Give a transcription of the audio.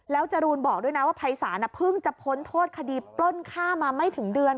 แล้วจรูนบอกด้วยนะว่าภัยศาลเพิ่งจะพ้นโทษคดีปล้นค่ามาไม่ถึงเดือน